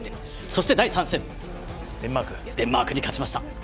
そして、第３戦デンマークに勝ちました。